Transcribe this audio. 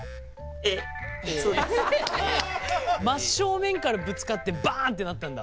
真正面からぶつかってバンってなったんだ。